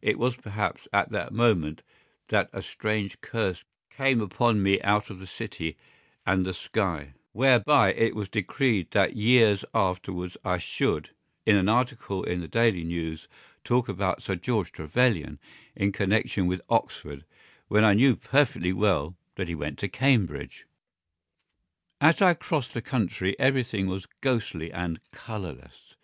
It was, perhaps, at that moment that a strange curse came upon me out of the city and the sky, whereby it was decreed that years afterwards I should, in an article in the DAILY NEWS, talk about Sir George Trevelyan in connection with Oxford, when I knew perfectly well that he went to Cambridge. As I crossed the country everything was ghostly and colourless.